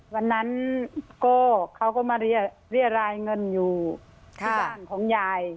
วันนั้นก็เขาก็มาเรียรายเงินอยู่ที่บ้านของยาย